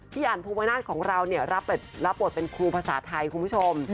อันภูวนาศของเราเนี่ยรับบทเป็นครูภาษาไทยคุณผู้ชม